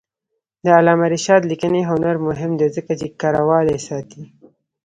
د علامه رشاد لیکنی هنر مهم دی ځکه چې کرهوالي ساتي.